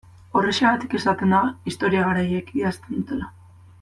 Horrexegatik esaten da historia garaileek idazten dutela.